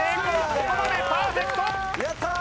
ここまでパーフェクト！